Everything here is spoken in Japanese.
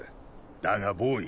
だがボーイ。